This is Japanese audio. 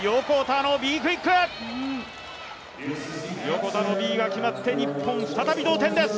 横田のＢが決まって、日本、再び同点です！